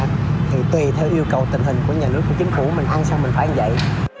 thì tùy theo yêu cầu tình hình của nhà nước của chính phủ mình ăn xong mình phải như vậy